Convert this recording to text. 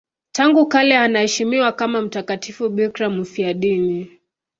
Tangu kale anaheshimiwa kama mtakatifu bikira mfiadini.